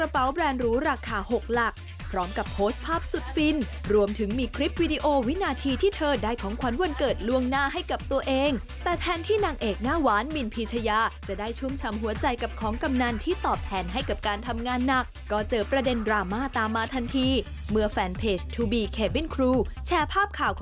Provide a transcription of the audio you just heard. ไปดูซิว่ารูปนี้จะมีคำตอบหรือเปล่า